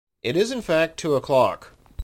It is in fact two o'clock.